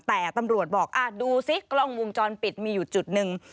แต่ตำรวจบอกดูสิกล้องวงจรปิดมีอยู่จุดหนึ่ง